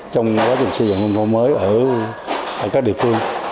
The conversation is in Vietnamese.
trong quá trình xây dựng nông thôn mới ở các địa phương